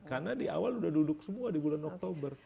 karena di awal udah duduk semua di bulan oktober